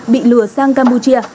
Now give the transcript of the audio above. bị lừa sang campuchia